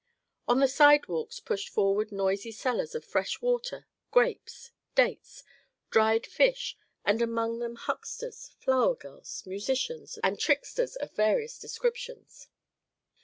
On the sidewalks pushed forward noisy sellers of fresh water, grapes, dates, dried fish, and among them hucksters, flower girls, musicians, and tricksters of various descriptions.